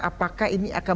apakah ini akan